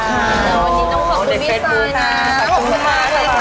วันนี้ต้องขอบคุณพี่ซายนะขอบคุณมากเลย